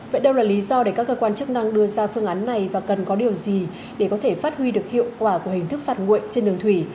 vậy đâu là lý do để các cơ quan chức năng đưa ra phương án này và cần có điều gì để có thể phát huy được hiệu quả của hình thức phạt nguội trên đường thủy